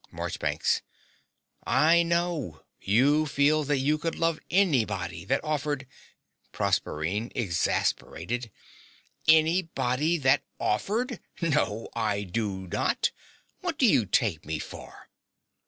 MARCHBANKS. I know. You feel that you could love anybody that offered PROSERPINE (exasperated). Anybody that offered! No, I do not. What do you take me for?